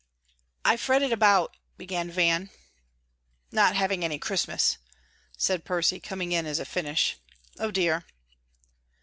"I fretted about " began Van. "Not having any Christmas," said Percy, coming in as a finish. "O dear!"